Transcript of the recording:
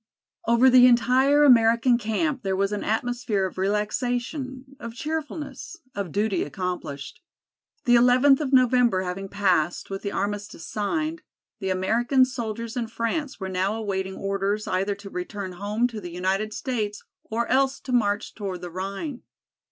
Over the entire American camp there was an atmosphere of relaxation, of cheerfulness, of duty accomplished. The eleventh of November having passed, with the armistice signed, the American soldiers in France were now awaiting orders either to return home to the United States or else to march toward the Rhine.